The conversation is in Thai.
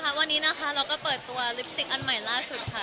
วันนี้นะคะเราก็เปิดตัวลิปสติกอันใหม่ล่าสุดค่ะ